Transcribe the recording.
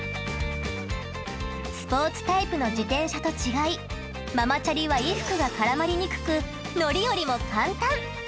スポーツタイプの自転車と違いママチャリは衣服が絡まりにくく乗り降りも簡単！